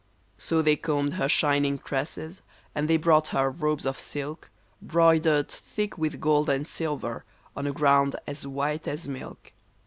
So they combed her shining tresses, and they brought her robes of silk, Broidered thick with gold and silver, on a ground as white as milk.